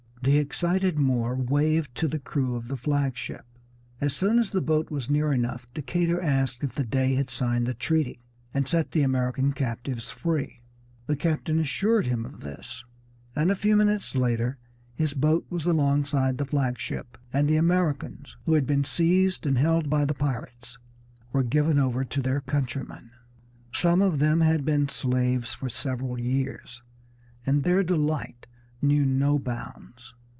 The excited Moor waved to the crew of the flag ship. As soon as the boat was near enough Decatur asked if the Dey had signed the treaty, and set the American captives free. The captain assured him of this, and a few minutes later his boat was alongside the flag ship, and the Americans, who had been seized and held by the pirates, were given over to their countrymen. Some of them had been slaves for several years, and their delight knew no bounds.